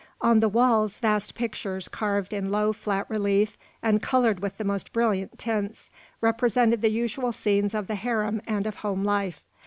On the walls vast pictures, carved in low, flat relief and coloured with the most brilliant tints, represented the usual scenes of the harem and of home life.